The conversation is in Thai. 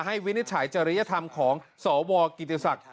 วินิจฉัยจริยธรรมของสวกิติศักดิ์